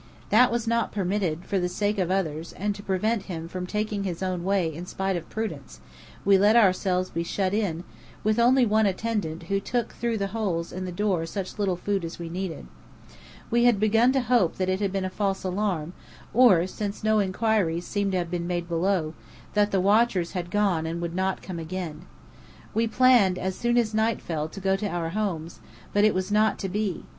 That was not permitted, for the sake of others; and to prevent him from taking his own way in spite of prudence, we let ourselves be shut in, with only one attendant who took through the holes in the door such little food as we needed. We had begun to hope that it had been a false alarm, or, since no inquiries seemed to have been made below, that the watchers had gone and would not come again. We planned as soon as night fell to go to our homes; but it was not to be.